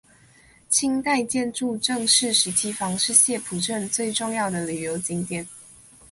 清代建筑郑氏十七房是澥浦镇最重要的旅游景点。